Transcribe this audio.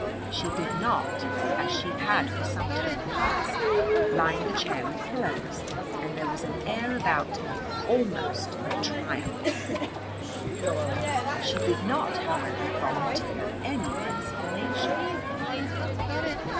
She did not, as she had for some time past, line the chair with pillows, and there was an air about her almost of triumph. She did not, however, volunteer any explanation.